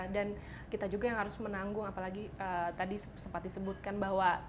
dan kita juga yang harus menanggung apalagi tadi sempat disebutkan bahwa